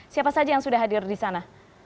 siapa saja yang sudah hadir di sana